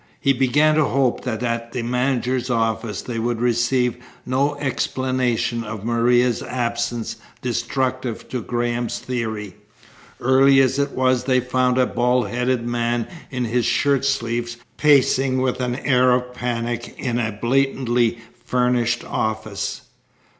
He began to hope that at the managers' office they would receive no explanation of Maria's absence destructive to Graham's theory. Early as it was they found a bald headed man in his shirt sleeves pacing with an air of panic a blantantly furnished office.